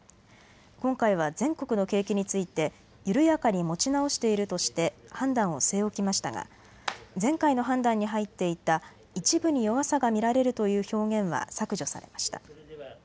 今回は全国の景気について緩やかに持ち直しているとして判断を据え置きましたが前回の判断に入っていた一部に弱さが見られるという表現は削除されました。